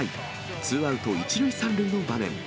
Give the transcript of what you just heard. ツーアウト１塁３塁の場面。